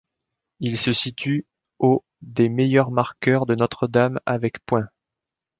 Il se situe au des meilleurs marqueurs de Notre-Dame avec points.